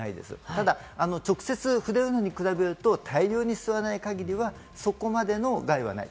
ただ、直接触れるのに比べると大量に吸わない限りはそこまでの害はない。